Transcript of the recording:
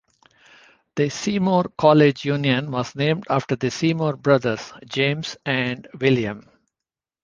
The Seymour College Union was named after the Seymour brothers, James and William.